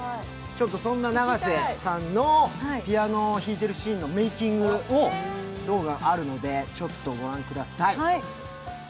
そんな永瀬さんのピアノを弾いているシーンのメイキング動画があるので、ちょっとご覧ください。